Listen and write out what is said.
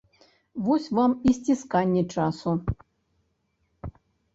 Вось вам і сцісканне часу.